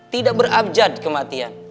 tidak berabjad kematian